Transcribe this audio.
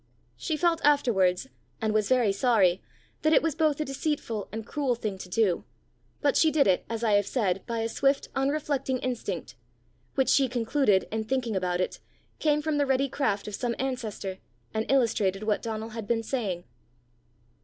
She felt afterwards, and was very sorry, that it was both a deceitful and cruel thing to do; but she did it, as I have said, by a swift, unreflecting instinct which she concluded, in thinking about it, came from the ready craft of some ancestor, and illustrated what Donal had been saying.